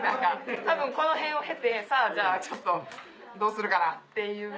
多分このへんを経てさぁじゃあちょっとどうするかなっていう。